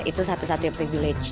itu satu satunya privilage